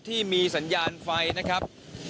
ที่มีสัญญาณไฟนะครับ